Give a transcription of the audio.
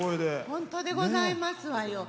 本当でございますわよ。